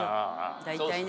大体ね。